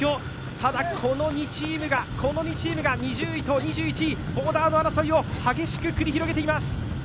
ただこの２チームが２０位と２１位、ボーダーの争いを激しく繰り広げています。